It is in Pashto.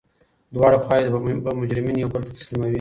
دواړه خواوي به مجرمین یو بل ته تسلیموي.